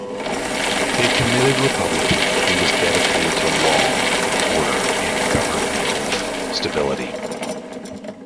A committed republican, he was dedicated to law and order and governmental stability.